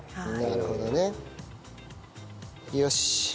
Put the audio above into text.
なるほどね。よし！